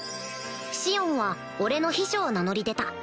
シオンは俺の秘書を名乗り出た